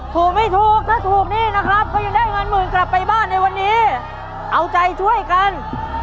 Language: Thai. ถูกไม่ถูกถ้าถูกนี่นะครับก็ยังได้เงินหมื่นกลับไปบ้านในวันนี้เอาใจช่วยกัน